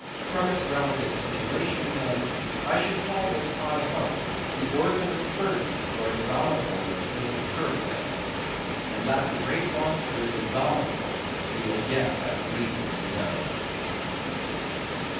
From its relative situation then, I should call this high hump the organ of firmness or indomitableness in the Sperm Whale. And that the great monster is indomitable, you will yet have reason to know.